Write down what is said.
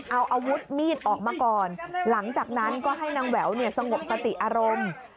เอาอาวุธมีดออกมาก่อนหลังจากนั้นก็ให้นางแหววสงบสติอารมณ์